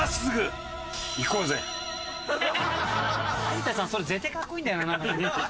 有田さんそれ絶対かっこいいんだよなんか。